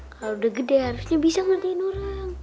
kalo udah gede harusnya bisa ngertiin orang